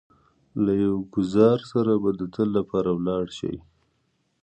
له يو ګوزار سره به د تل لپاره ولاړ شئ.